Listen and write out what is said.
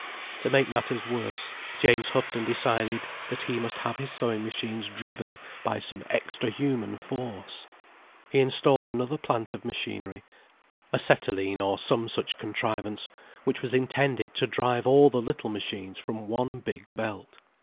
To make matters worse, James Houghton decided that he must have his sewing machines driven by some extra human force. He installed another plant of machinery—acetylene or some such contrivance—which was intended to drive all the little machines from one big belt.